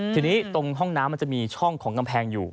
ทีนี้ตรงห้องน้ำมันจะมีช่องของกำแพงอยู่